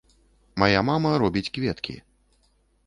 Мая мама робіць кветкі.